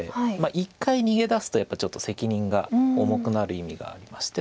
一回逃げ出すとやっぱりちょっと責任が重くなる意味がありまして。